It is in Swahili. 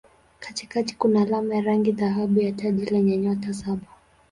Katikati kuna alama ya rangi dhahabu ya taji lenye nyota saba.